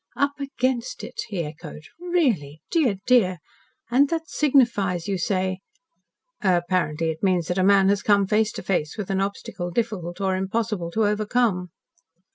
"Up against it," he echoed. "Really! Dear! Dear! And that signifies, you say " "Apparently it means that a man has come face to face with an obstacle difficult or impossible to overcome."